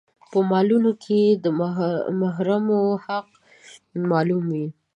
په مالونو کې يې د محرومو خلکو حق معلوم وي.